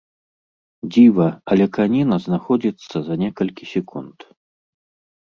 Дзіва, але каніна знаходзіцца за некалькі секунд.